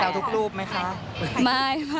ทุกรูปไหมคะ